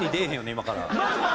今から。